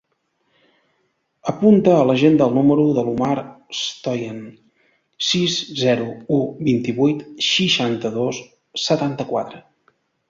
Apunta a l'agenda el número de l'Omar Stoian: sis, zero, u, vint-i-vuit, seixanta-dos, setanta-quatre.